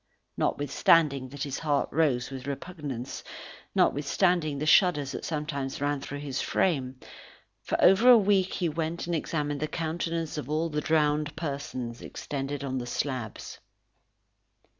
Notwithstanding that his heart rose with repugnance, notwithstanding the shudders that sometimes ran through his frame, for over a week he went and examined the countenance of all the drowned persons extended on the slabs.